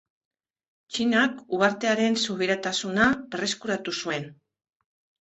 Txinak uhartearen subiranotasuna berreskuratu zuen.